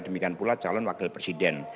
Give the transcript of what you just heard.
demikian pula calon wakil presiden